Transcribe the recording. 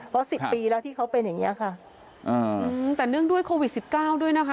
เพราะสิบปีแล้วที่เขาเป็นอย่างเงี้ยค่ะอืมแต่เนื่องด้วยโควิดสิบเก้าด้วยนะคะ